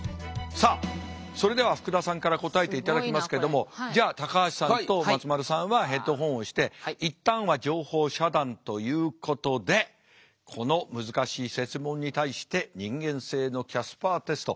さあそれでは福田さんから答えていただきますけどもじゃあ高橋さんと松丸さんはヘッドホンをして一旦は情報遮断ということでこの難しい設問に対して人間性のキャスパーテスト。